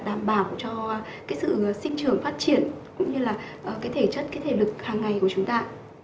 đảm bảo cho cái sự sinh trưởng phát triển cũng như là cái thể chất cái thể lực hàng ngày của chúng ta